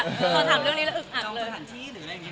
กลัวสถานที่หรืออะไรอย่างนี้